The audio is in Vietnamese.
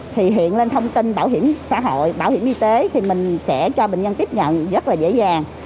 thì hiện lên thông tin bảo hiểm xã hội bảo hiểm y tế thì mình sẽ cho bệnh nhân tiếp nhận rất là dễ dàng